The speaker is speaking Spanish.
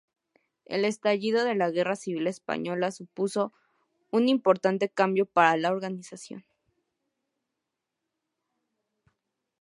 El estallido de la Guerra Civil española supuso un importante cambio para la organización.